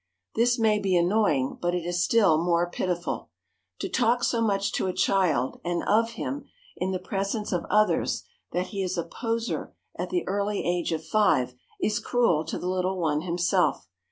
This may be annoying, but it is still more pitiful. To talk so much to a child and of him in the presence of others that he is a poseur at the early age of five, is cruel to the little one himself.